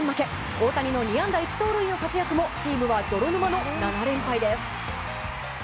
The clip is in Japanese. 大谷の２安打１盗塁の活躍もチームは泥沼の７連敗です。